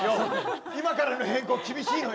今からの変更厳しいのよ。